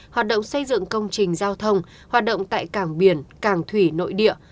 hoạt động xây dựng công trình giao thông hoạt động tại cảng biển cảng thủy nội địa